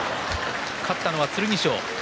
勝ったのは剣翔。